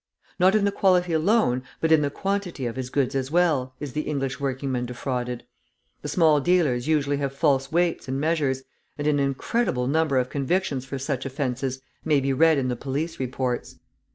Not in the quality alone, but in the quantity of his goods as well, is the English working man defrauded. The small dealers usually have false weights and measures, and an incredible number of convictions for such offences may be read in the police reports.